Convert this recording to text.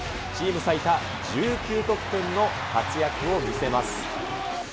チーム最多１９得点の活躍を見せます。